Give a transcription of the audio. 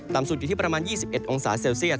สุดอยู่ที่ประมาณ๒๑องศาเซลเซียต